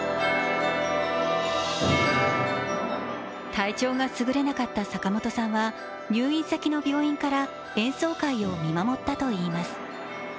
体調がすぐれなかった坂本さんは入院先の病院から演奏会を見守ったといいます。